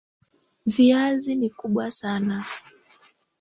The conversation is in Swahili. Viazi ni kubwa sana.